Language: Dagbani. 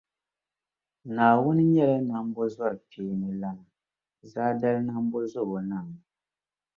Naawuni nyɛla Nambɔzɔrikpeeni lana, Zaadali Nambɔzobonaa.